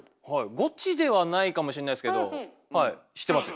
「ゴチ」ではないかもしれないですけどはい知ってますよ。